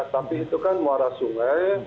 tapi itu kan muara sungai